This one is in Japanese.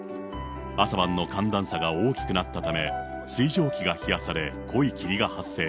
朝晩の寒暖差が大きくなったため、水蒸気が冷やされ、濃い霧が発生。